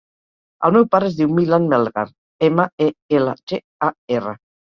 El meu pare es diu Milan Melgar: ema, e, ela, ge, a, erra.